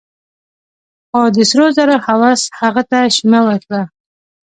خو د سرو زرو هوس هغه ته شيمه ورکړه.